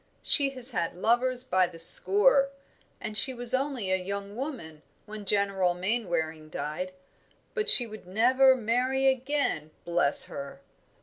She has had lovers by the score, and she was only a young woman when General Mainwaring died; but she would never marry again, bless her!"